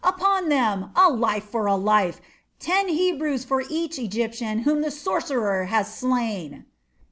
Upon them! A life for a life! Ten Hebrews for each Egyptian whom the sorcerer has slain!"